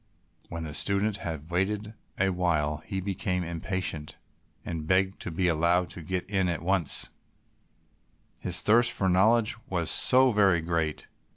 When the student had waited a while he became impatient, and begged to be allowed to get in at once, his thirst for knowledge was so very great.